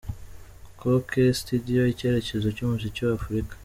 Coke Studio, icyerekezo cy’umuziki wa Afurika.